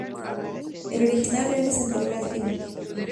El origen real es anterior al tiempo de Viking.